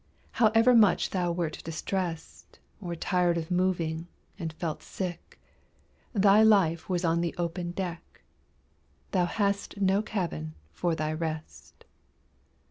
However much thou wert distressed, Or tired of moving, and felt sick, Thy life was on the open deck Thou hadst no cabin for thy rest.